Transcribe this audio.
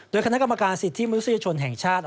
โดยคณะกรรมการสิทธิมนุษยชนแห่งชาติ